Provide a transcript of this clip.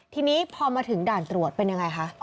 ทีนี้พอมาถึงด่านตรวจเป็นยังไงคะ